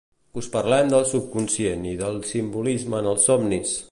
us parlem del subconscient i del simbolisme en els somnis